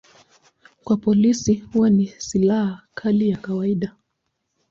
Kwa polisi huwa ni silaha kali ya kawaida.